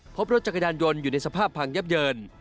พบรถจักรยานยนต์อยู่ในสภาพพังยับเยิน